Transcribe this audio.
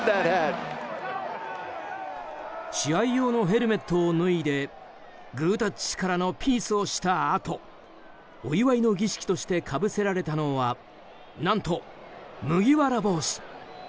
試合用のヘルメットを脱いでグータッチからのピースをしたあとお祝いの儀式としてかぶせられたのは何と麦わら帽子。